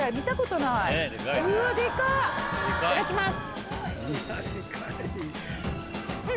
いただきます。